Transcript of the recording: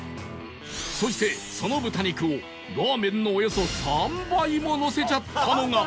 そしてその豚肉をラーメンのおよそ３倍ものせちゃったのが